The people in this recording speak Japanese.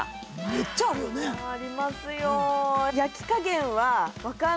めっちゃあるよねありますよ